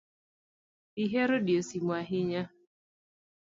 Ihero diyo simu ahinya.